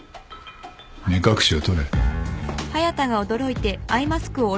目隠しを取れ。